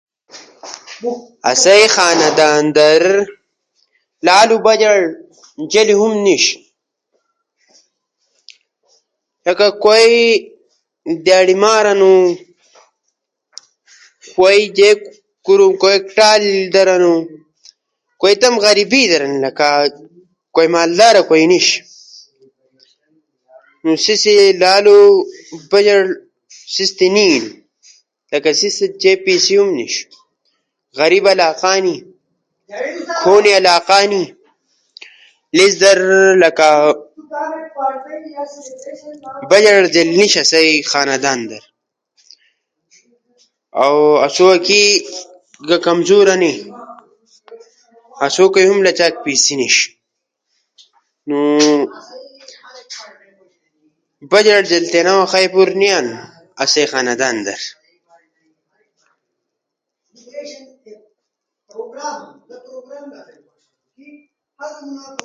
آسئی خاندان در لالو بچٹ چری ہم نیش۔ لکہ کوئی دیاڑی مار ہنو، کوئی ٹال لیڈر ہنو، کوئی تمو غریبی در دھرُو۔ مالدارا کوئی نیِش۔ سا سی لالو بجٹ سیستی نی اینو۔ لکہ سی ست جے پیسے ہم نیش۔ غریب علاقہ ہنی، کھولے علاقہ ہنی، لیس جا آسئی خاندان در آدامو بجٹ نیش۔ اؤ آسو چے لا کمزور ہنی۔ آسو کئی اے مچاک پیسے نیش۔ لیس جا آسو کئی لالو بجٹ نی آلنو۔